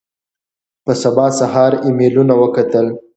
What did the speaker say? په سبا سهار ایمېلونه وکتل.